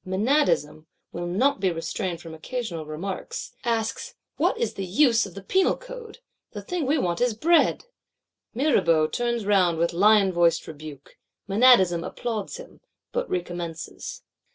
—Menadism will not be restrained from occasional remarks; asks, 'What is use of the Penal Code? The thing we want is Bread.' Mirabeau turns round with lion voiced rebuke; Menadism applauds him; but recommences.